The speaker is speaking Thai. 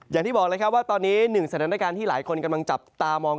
อย่างที่บอกเลยครับว่าตอนนี้หนึ่งสถานการณ์ที่หลายคนกำลังจับตามอง